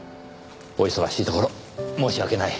お忙しいところ申し訳ない。